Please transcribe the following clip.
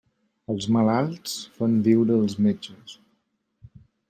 Els malalts fan viure els metges.